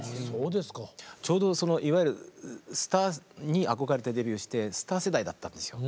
ちょうどいわゆるスターに憧れてデビューしてスター世代だったんですよ。